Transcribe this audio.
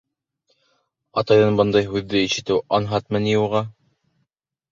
Атайҙан бындай һүҙҙе ишетеүе анһатмы ни уға?!